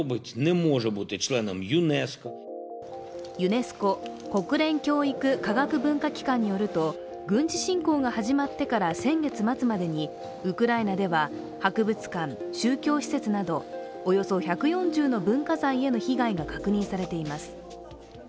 ユネスコ＝国連教育科学文化機関によると軍事侵攻が始まってから先月末までにウクライナでは博物館、宗教施設などおよそ１４０の文化財への被害が確認されています。